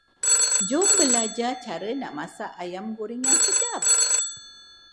Jom berlajar cara nak masak ayam goreng yang sedap.